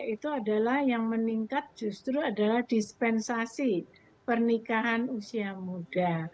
itu adalah yang meningkat justru adalah dispensasi pernikahan usia muda